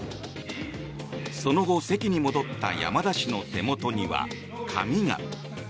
その後、席に戻った山田氏の手元には紙が。